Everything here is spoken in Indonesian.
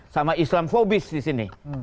sama islam fobis di sini